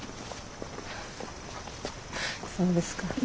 そうですか。